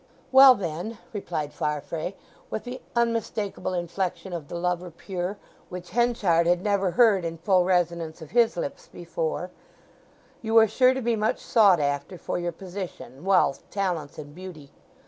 "Well, then," replied Farfrae, with the unmistakable inflection of the lover pure, which Henchard had never heard in full resonance of his lips before, "you are sure to be much sought after for your position, wealth, talents, and beauty.